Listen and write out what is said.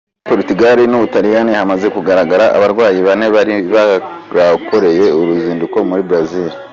Muri Portugal n’u Butaliyani hamaze kugaragara abarwayi bane bari barakoreye uruzinduko muri Brazil.